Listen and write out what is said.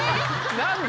何で！